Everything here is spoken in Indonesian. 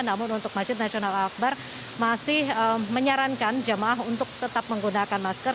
namun untuk masjid nasional al akbar masih menyarankan jemaah untuk tetap menggunakan masker